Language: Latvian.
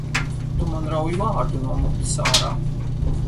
Tu man rauj vārdu no mutes ārā!